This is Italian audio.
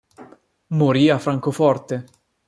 Morì a Francoforte.